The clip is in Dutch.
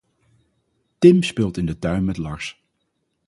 Tim speelt in de tuin met Lars.